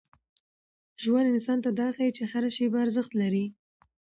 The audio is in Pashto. ژوند انسان ته دا ښيي چي هره شېبه ارزښت لري.